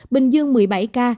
bình dương một mươi bảy ca